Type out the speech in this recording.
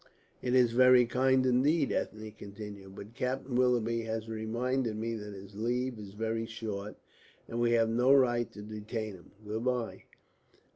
"It is very kind indeed," Ethne continued, "but Captain Willoughby has reminded me that his leave is very short, and we have no right to detain him. Good bye."